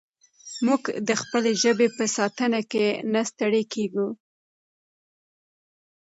موږ د خپلې ژبې په ساتنه کې نه ستړي کېږو.